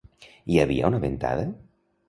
Hi havia una ventada?